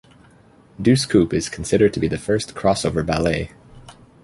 "Deuce Coupe" is considered to be the first crossover ballet.